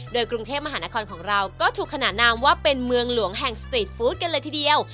โดยกรุงเทพมหานครของเราก็ถูกขนานนามว่าเป็นเมืองหลวงแห่งสตรีทฟู้ดกันเลยทีเดียว